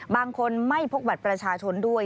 บางคนไม่พกบัตรประชาชนด้วย